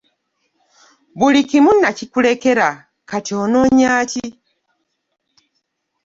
Buli kimu nnakikulekera kati onoonya ki?